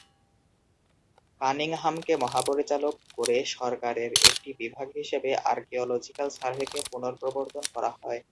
কানিংহামকে মহাপরিচালক 'করে সরকারের একটি বিভাগ হিসেবে আর্কিওলজিক্যাল সার্ভেকে পুনঃপ্রবর্তন করা হয়।